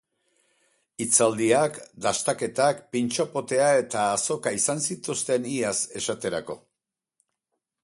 Hitzaldiak, dastaketak, pintxo potea eta azoka izan zituzten iaz, esaterako.